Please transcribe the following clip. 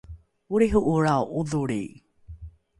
olriho’olrao ’odholri